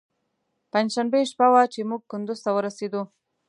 پنجشنبې شپه وه چې موږ کندوز ته ورسېدو.